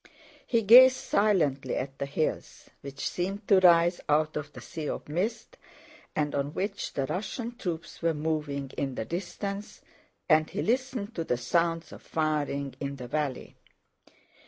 He gazed silently at the hills which seemed to rise out of the sea of mist and on which the Russian troops were moving in the distance, and he listened to the sounds of firing in the valley.